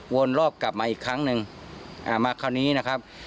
วนรอบกลับมาอีกครั้งหนึ่งอ่ามาคราวนี้นะครับ